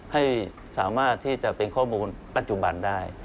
ให้สามารถที่จะเป็นข้อมูลปัจจุบันได้